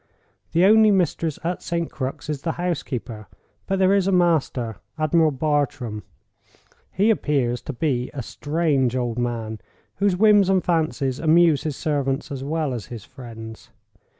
The only mistress at St. Crux is the housekeeper. But there is a master—Admiral Bartram. He appears to be a strange old man, whose whims and fancies amuse his servants as well as his friends.